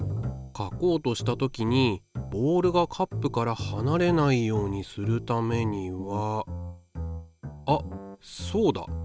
書こうとした時にボールがカップからはなれないようにするためにはあっそうだ。